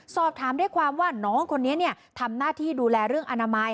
สอบถามได้ความว่าน้องคนนี้ทำหน้าที่ดูแลเรื่องอนามัย